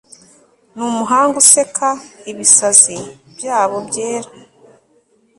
Numuhanga useka ibisazi byabo byera